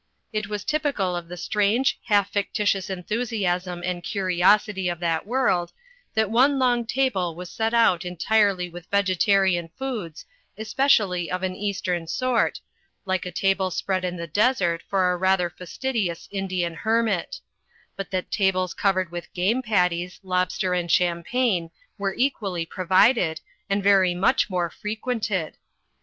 It was typical of the strange, half fictitious enthusiasm and curiosity of that world, that one long table was set out entirely with vegetarian foods, especially of an eastern sort (like a table spread in the desert for a rather fastidious Indian hermit) ; but that tables covered with game patties, lobster and champagne were equally provided, and very much more frequented.